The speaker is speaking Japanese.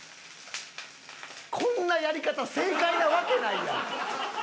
こんなやり方正解なわけないやん！